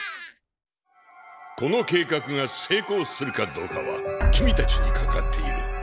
この計画が成功するかどうかは君たちにかかっている。